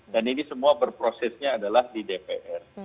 dan ini semua berprosesnya adalah di dpr